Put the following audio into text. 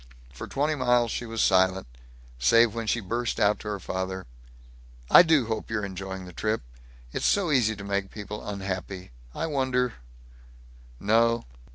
For twenty miles she was silent, save when she burst out to her father, "I do hope you're enjoying the trip. It's so easy to make people unhappy. I wonder No.